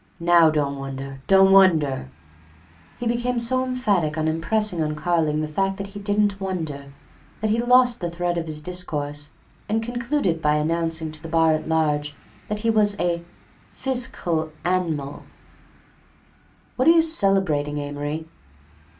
Now don' wonder, don' wonder—" He became so emphatic in impressing on Carling the fact that he didn't wonder that he lost the thread of his discourse and concluded by announcing to the bar at large that he was a "physcal anmal." "What are you celebrating, Amory?"